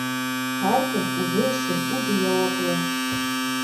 Һәр кем үҙе өсөн үҙе яуаплы.